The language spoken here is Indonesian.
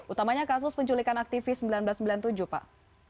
utamanya kasus penculikan aktivis seribu sembilan ratus sembilan puluh tujuh pak